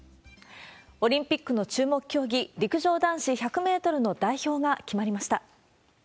オリンピックの注目競技、陸上男子１００メートルの代表が決まりました。